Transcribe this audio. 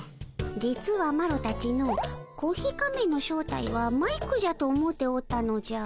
実はマロたちのうコーヒー仮面の正体はマイクじゃと思うておったのじゃ。